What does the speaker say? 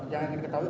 yang ingin diketahui